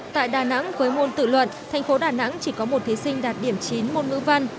tại đà nẵng với môn tự luận thành phố đà nẵng chỉ có một thí sinh đạt điểm chín môn ngữ văn